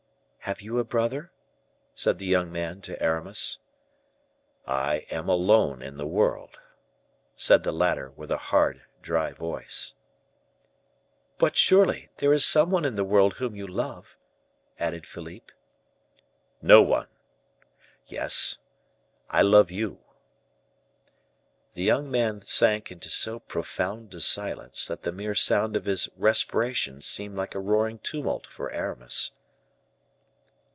"Have you a brother?" said the young man to Aramis. "I am alone in the world," said the latter, with a hard, dry voice. "But, surely, there is some one in the world whom you love?" added Philippe. "No one! Yes, I love you." The young man sank into so profound a silence, that the mere sound of his respiration seemed like a roaring tumult for Aramis.